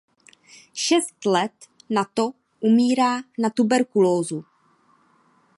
Šest let na to umírá na tuberkulózu.